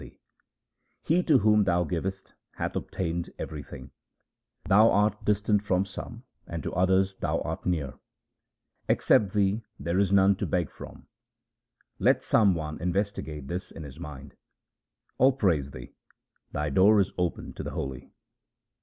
II U THE SIKH RELIGION He to whom Thou givest hath obtained everything ; Thou art distant from some and to others Thou art near. Except Thee there is none to beg from ; let some one investigate this in his mind. All praise Thee ; Thy door is open to the holy.